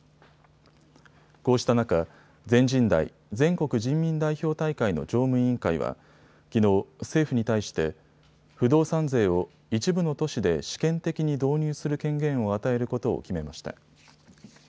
こうした中、全人代・全国人民代表大会の常務委員会はきのう、政府に対して不動産税を一部の都市で試験的に導入する権限を与えることを決めました。